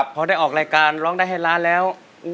พอได้ออกรายการร้องได้ให้ล้านแล้ว